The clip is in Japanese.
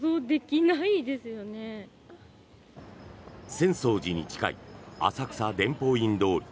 浅草寺に近い浅草伝法院通り。